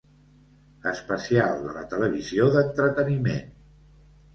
Especial de la televisió d'entreteniment.